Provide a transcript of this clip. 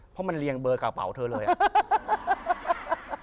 เพราะมันเรียงเบอร์กระเป๋าเธอเลยอ่ะ